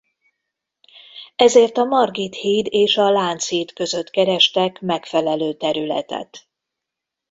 Ezért a Margit híd és a Lánchíd között kerestek megfelelő területet.